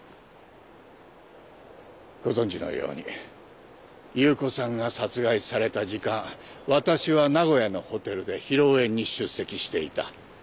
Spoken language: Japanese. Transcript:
ご存じのように夕子さんが殺害された時間わたしは名古屋のホテルで披露宴に出席していた。